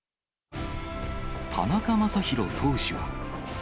田中将大投手は。